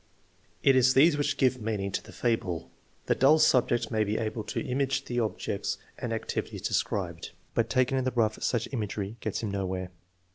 It is these which give meaning to the fable. The dull subject may be able to image the objects and activi ties described, but taken in the rough such imagery gets him nowhere.